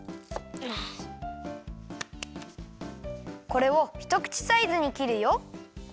これをひとくちサイズにきるよ。